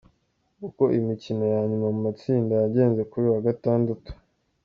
Uko imikino ya nyuma mu matsinda yagenze kuri uyu wa Gatatu.